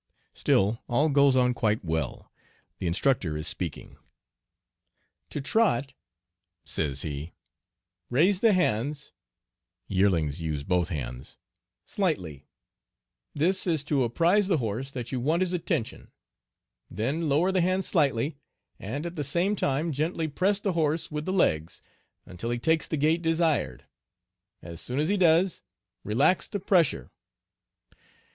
Still all goes on quite well. The Instructor is speaking: "To trot," says he, "raise the hands" ("yearlings" use both hands) "slightly. This is to apprise the horse that you want his attention. Then lower the hands slightly, and at the same time gently press the horse with the legs until he takes the gait desired. As soon as he does, relax the pressure."